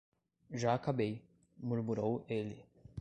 Já acabei, murmurou ele.